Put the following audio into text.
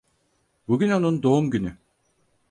Bugün onun doğum günü.